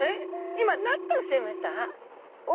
今何ておっしゃいました？